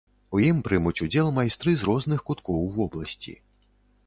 У ім прымуць удзел майстры з розных куткоў вобласці.